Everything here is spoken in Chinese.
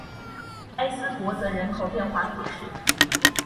埃斯珀泽人口变化图示